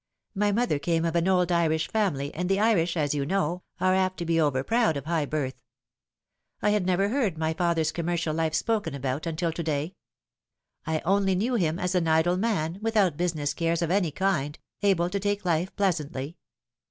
My mother came of an old Irish family, and the Irish, as you know, are apt to be over proud of high birth. I had never heard my father's commercial life spoken about until to day. I onlj knew him as an idle man, without business cares of any kind, able to take life pleasantly.